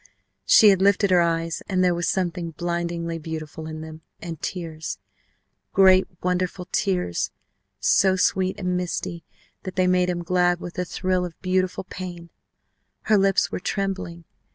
_ She had lifted her eyes and there was something blindingly beautiful in them, and tears great wonderful tears, so sweet and misty that they made him glad with a thrill of beautiful pain! Her lips were trembling.